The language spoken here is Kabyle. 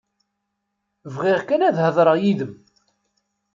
Bɣiɣ kan ad hedreɣ yid-m.